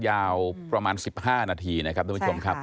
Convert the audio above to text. ยาวประมาณ๑๕นาทีนะครับทุกผู้ชมครับ